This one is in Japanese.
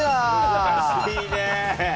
難しいね。